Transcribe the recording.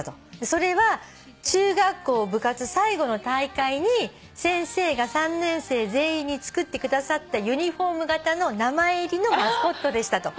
「それは中学校部活最後の大会に先生が３年生全員に作ってくださったユニホーム型の名前入りのマスコットでした」と。